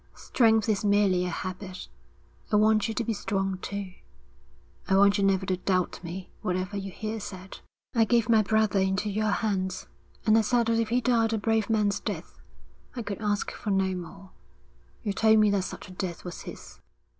Strength is merely a habit. I want you to be strong, too. I want you never to doubt me whatever you hear said.' 'I gave my brother into your hands, and I said that if he died a brave man's death, I could ask for no more. You told me that such a death was his.'